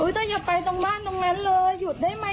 ถ้าอย่าไปตรงบ้านตรงนั้นเลยหยุดได้ไหม